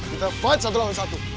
kita fight satu satu